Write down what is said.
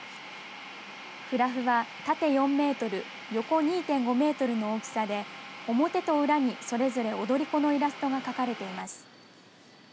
フラフは縦４メートル横２．５メートルの大きさで表と裏にそれぞれ踊り子のイラストが描かれています。